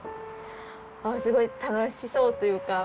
すごい楽しそうというか